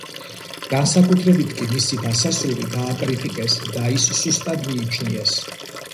განსაკუთრებით კი მისი დასასრული გააკრიტიკეს და ის სუსტად მიიჩნიეს.